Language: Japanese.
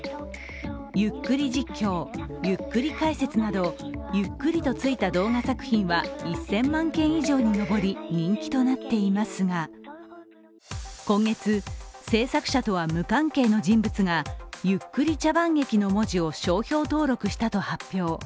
ゆっくり実況、ゆっくり解説などゆっくりとついた動画作品は１０００万件以上に上り人気となっていますが今月、制作者と無関係の人物が「ゆっくり茶番劇」の文字を商標登録したと発表。